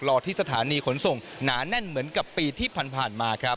รอที่สถานีขนส่งหนาแน่นเหมือนกับปีที่ผ่านมาครับ